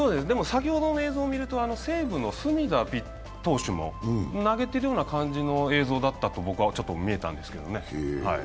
でも、先ほどの映像を見ると西武の隅田投手も投げてるような感じの映像だったと僕は感じたんですけどね。